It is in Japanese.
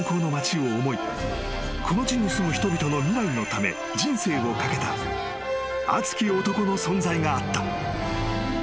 この地に住む人々の未来のため人生を懸けた熱き男の存在があった］